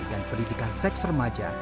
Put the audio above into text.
dan pendidikan seks remaja